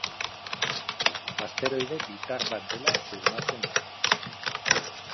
Asteroide bitar bat dela susmatzen da.